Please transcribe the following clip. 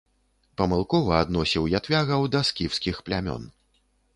Памылкова адносіў ятвягаў да скіфскіх плямён.